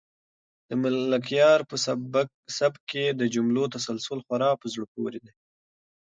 د ملکیار په سبک کې د جملو تسلسل خورا په زړه پورې دی.